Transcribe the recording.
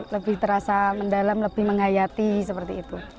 lebih terasa mendalam lebih menghayati